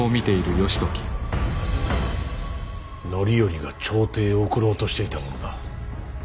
範頼が朝廷へ送ろうとしていたものだ。